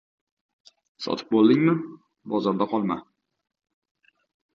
• Sotib bo‘ldingmi — bozorda qolma.